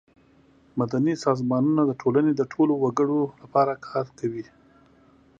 مدني سازمانونه د ټولنې د ټولو وګړو لپاره کار کوي.